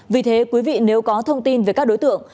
vì thế quý vị nếu có thông tin về các đối tượng